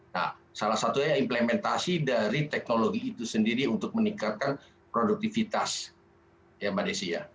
nah salah satunya implementasi dari teknologi itu sendiri untuk meningkatkan produktivitas ya mbak desi ya